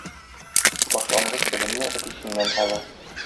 Башлангыч белемне әтисеннән ала.